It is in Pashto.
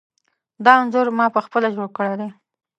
دا انځور ما پخپله جوړ کړی دی.